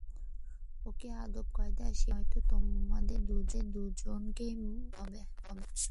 ওকে আদবকায়দা শেখাবে, নয়ত তোমাদের দুজনকেই মরতে হবে।